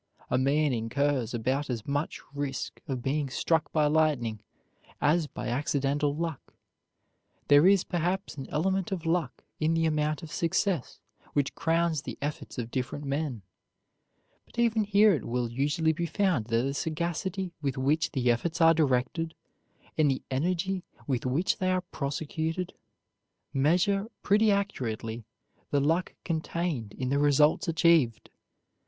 A man incurs about as much risk of being struck by lightning as by accidental luck. There is, perhaps, an element of luck in the amount of success which crowns the efforts of different men; but even here it will usually be found that the sagacity with which the efforts are directed and the energy with which they are prosecuted measure pretty accurately the luck contained in the results achieved.